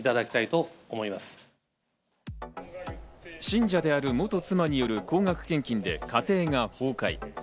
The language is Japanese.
信者である元妻による高額献金で家庭が崩壊。